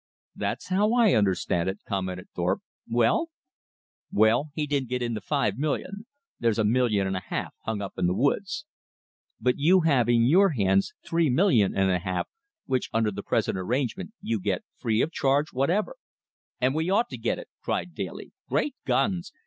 "That's how I understand it," commented Thorpe. "Well?" "Well, he didn't get in the five million. There's a million and a half hung up in the woods." "But you have in your hands three million and a half, which under the present arrangement you get free of any charge whatever." "And we ought to get it," cried Daly. "Great guns!